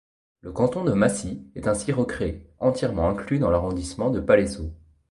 Le canton de Massy est ainsi recréé, entièrement inclus dans l'arrondissement de Palaiseau.